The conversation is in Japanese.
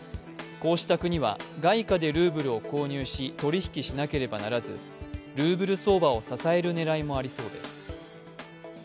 こうした国は外貨でルーブルを購入し取引しなければならずルーブル相場を支える狙いもありそうです。